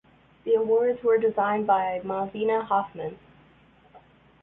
The awards were designed by Malvina Hoffman.